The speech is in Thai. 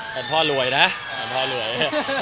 แฟนพ่อรวยนะแฟนพ่อรวย